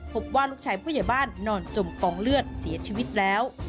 พบว่าลูกชายผู้ใหญ่บ้านนอนจมกองเลือดเสียชีวิตแล้ว